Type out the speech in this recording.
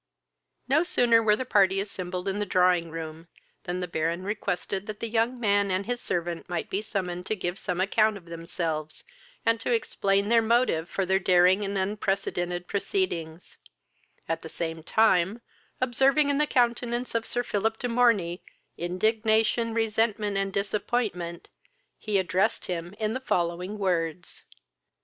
No sooner were the party assembled in the drawing room, than the Baron requested that the young man and his servant might be summoned to give some account of themselves, and explain their motive for their daring and unprecedented proceedings; at the same time, observing in the countenance of Sir Philip de Morney indignation, resentment, and disappointment, he addressed him in the following words.